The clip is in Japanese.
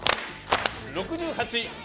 ６８。